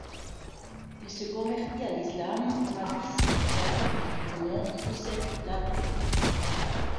Il se convertit à l'islam ahmadiste et adopte le nom Yusef Lateef.